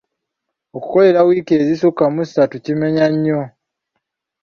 Okukololera wiiki ezisukka mu ssatu kimenya nnyo.